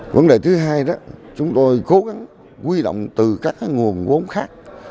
vấn đề thứ hai đó chúng tôi cố gắng quy động từ các nguồn vốn khác